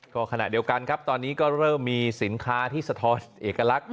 ก็ขณะเดียวกันครับตอนนี้ก็เริ่มมีสินค้าที่สะท้อนเอกลักษณ